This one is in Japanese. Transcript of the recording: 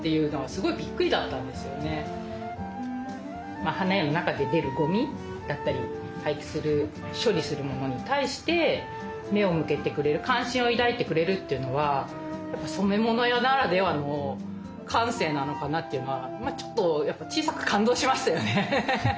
まあ花屋の中で出るごみだったり廃棄する処理するものに対して目を向けてくれる関心を抱いてくれるっていうのはやっぱ染め物屋ならではの感性なのかなっていうのはちょっとやっぱ小さく感動しましたよね。